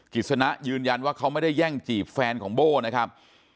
กิจสนะยืนยันว่าเขาไม่ได้แย่งจีบแฟนของโบ้นะครับ